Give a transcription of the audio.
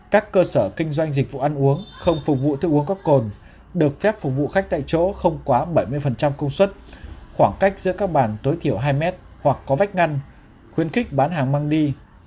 các cơ sở kinh doanh dịch vụ ăn uống không phục vụ thức uống có cồn được phép phục vụ khách tại chỗ không quá bảy mươi công suất khoảng cách giữa các bàn tối thiểu hai mét hoặc có vách ngăn khuyến khích bán hàng mang đi